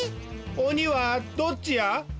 おにはどっちや？